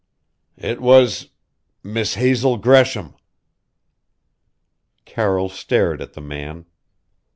"It was Miss Hazel Gresham!" Carroll stared at the man.